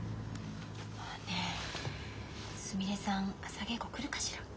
ねえすみれさん朝稽古来るかしら？